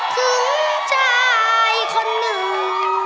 ถึงชายคนหนึ่ง